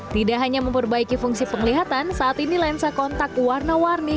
tidak hanya memperbaiki fungsi penglihatan saat ini lensa kontak warna warni